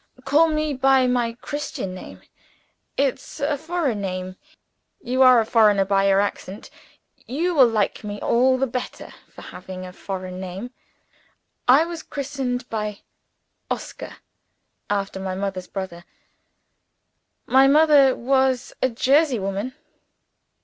Call me by my Christian name. It's a foreign name. You are a foreigner by your accent you will like me all the better for having a foreign name. I was christened 'Oscar' after my mother's brother: my mother was a Jersey woman.